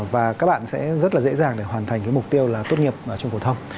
và các bạn sẽ rất là dễ dàng để hoàn thành cái mục tiêu là tốt nghiệp trung học phổ thông